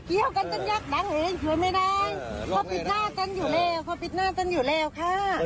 เขาปิดหน้ากันอยู่แล้วค่ะ